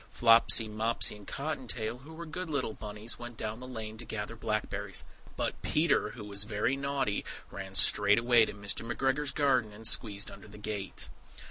Flopsy, Mopsy, and Cotton tail, who were good little bunnies, went down the lane to gather blackberries; But Peter, who was very naughty, ran straight away to Mr. McGregor's garden, and squeezed under the gate!